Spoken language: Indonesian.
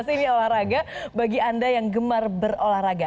ini olahraga bagi anda yang gemar berolahraga